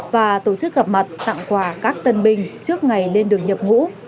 và tổ chức gặp mặt tặng quà các tân binh trước ngày lên đường nhập ngũ